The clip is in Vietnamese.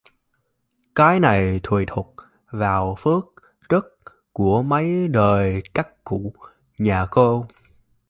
Cái này tùy thuộc vào phước đức của mấy đời các cụ nhà cô